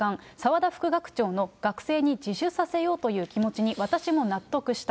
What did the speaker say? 澤田副学長の、学生に自首させようという気持ちに私も納得した。